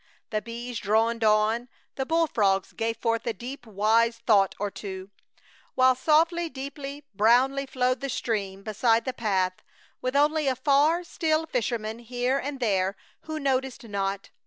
The bees droned on; the bullfrogs gave forth a deep wise thought or two; while softly, deeply, brownly, flowed the stream beside the path, with only a far, still fisherman here and there who noticed not.